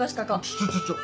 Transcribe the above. ちょちょちょ